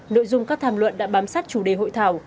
nội dung các tham luận đã bám sát chủ đề hội thảo